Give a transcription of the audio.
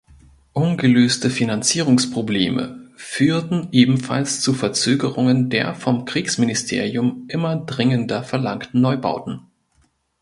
Ungelöste Finanzierungsprobleme führten ebenfalls zu Verzögerungen der vom Kriegsministerium immer dringender verlangten Neubauten.